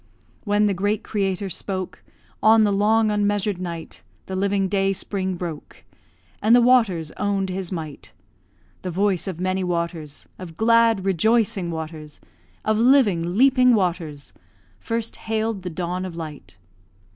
When the great Creator spoke, On the long unmeasured night The living day spring broke, And the waters own'd His might; The voice of many waters, Of glad, rejoicing waters, Of living, leaping waters, First hailed the dawn of light.